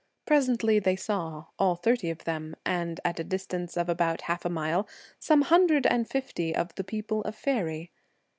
Presently they saw, all thirty of them, and at a distance of about half a mile, some hundred and fifty of the people of faery.